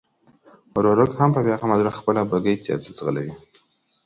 ورورک هم په بېغمه زړه خپله بګۍ تېزه ځغلوي.